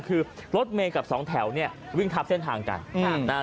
คือรถเมย์กับสองแถวเนี่ยวิ่งทับเส้นทางกันนะฮะ